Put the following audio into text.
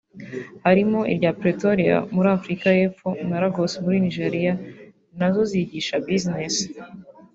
harimo irya Pretoria muri Afurika y’Epfo na Lagos muri Nigeria nazo zigisha bizinesi